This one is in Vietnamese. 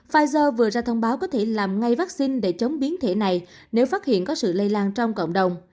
pfizer vừa ra thông báo có thể làm ngay vaccine để chống biến thể này nếu phát hiện có sự lây lan trong cộng đồng